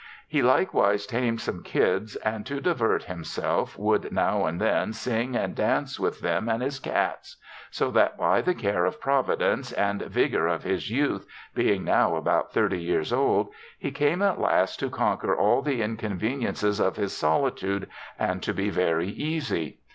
" He likewise tam'd some kids, and to divert himself would now and then sing and dance with them and his cats ; so that by the care of Provi dence, and vigoiu* of his youth, being now about 30 years old, he came at last to conquer all the inconveniences of his solitude and to be very easy.